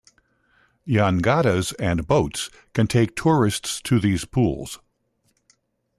"Jangadas" and boats can take tourists to these pools.